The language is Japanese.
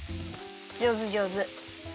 じょうずじょうず。